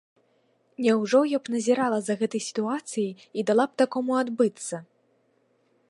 Няўжо я б назірала за гэтай сітуацыяй і дала б такому адбыцца!?